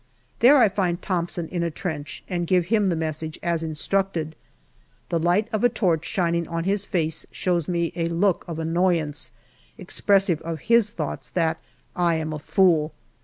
There I find Thomson in a trench and give him the message as instructed. The light of a torch shining on his face shows me a look of annoyance, expressive of his thoughts that I am a fool.